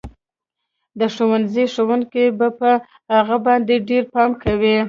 د ښوونځي ښوونکي به په هغه باندې ډېر پام کوي